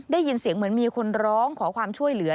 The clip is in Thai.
ได้ยินเสียงเหมือนมีคนร้องขอความช่วยเหลือ